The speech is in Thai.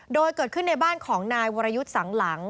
โดยเกิดขึ้นในบ้านของนายวรยุทธ์สังหลัง